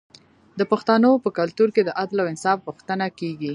د پښتنو په کلتور کې د عدل او انصاف غوښتنه کیږي.